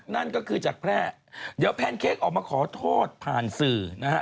นั่นก็คือจากแพร่เดี๋ยวแพนเค้กออกมาขอโทษผ่านสื่อนะฮะ